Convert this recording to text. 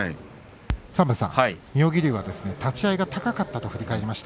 妙義龍、立ち合いが高かったと振り返りました。